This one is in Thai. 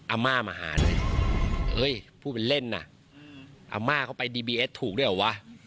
อาม่ามาหาเลยเอ้ยพูดเป็นเล่นน่ะอาม่าเข้าไปดีบีเอสถูกด้วยเหรอวะ